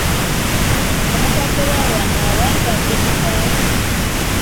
Omukadde waawo awangadde ku kyalo